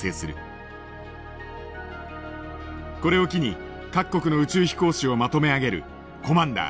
これを機に各国の宇宙飛行士をまとめ上げるコマンダー